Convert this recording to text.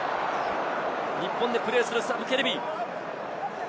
日本でプレーする、サム・ケレビ。